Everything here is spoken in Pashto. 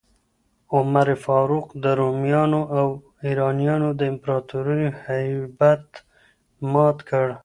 عمر فاروق د رومیانو او ایرانیانو د امپراتوریو هیبت مات کړ.